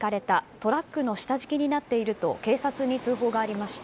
トラックの下敷きになっていると警察に通報がありました。